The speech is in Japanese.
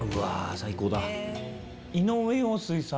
最高だ！